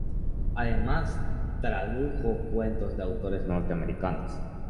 Además, tradujo cuentos de autores norteamericanos.